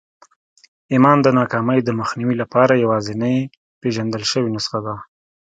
ايمان د ناکامۍ د مخنيوي لپاره يوازېنۍ پېژندل شوې نسخه ده.